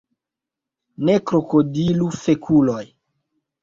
Ne krokodilu fekuloj!